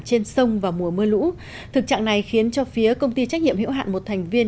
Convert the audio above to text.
trên sông vào mùa mưa lũ thực trạng này khiến cho phía công ty trách nhiệm hiểu hạn một thành viên